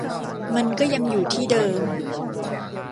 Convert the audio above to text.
มันก็ยังอยู่ที่เดิม